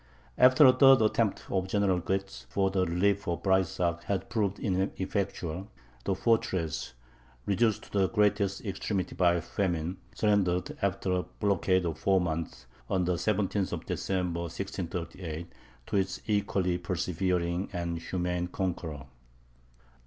After a third attempt of general Goetz for the relief of Breysach had proved ineffectual, the fortress, reduced to the greatest extremity by famine, surrendered, after a blockade of four months, on the 17th December 1638, to its equally persevering and humane conqueror.